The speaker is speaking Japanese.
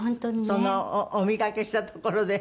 そのお見かけしたところで。